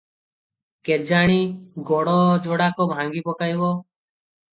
କେଜାଣି ଗୋଡ଼ ଯୋଡ଼ାକ ଭାଙ୍ଗି ପକାଇବ ।